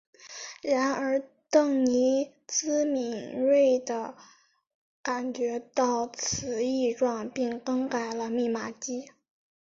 然而邓尼兹敏锐地感觉到此异状并更改了密码机。